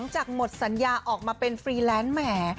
จากหมดสัญญาออกมาเป็นฟรีแลนซ์แหม